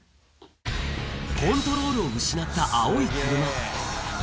コントロールを失った青い車。